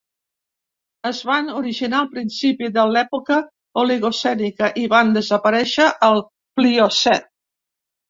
Es van originar al principi de l'època oligocènica i van desaparèixer al pliocè.